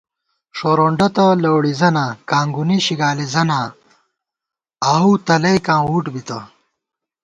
ݭورونڈہ تہ لَوڑِزَناں کانگُونی شگالِی زَناں آؤو تلَئیکاں وُٹ بِتہ